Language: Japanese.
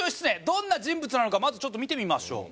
どんな人物なのかまずちょっと見てみましょう。